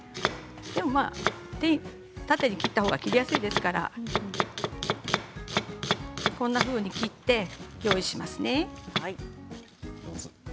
でも縦に切った方が切りやすいですからこんなふうに切って用意しますね。